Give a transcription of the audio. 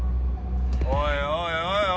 おいおいおいおい。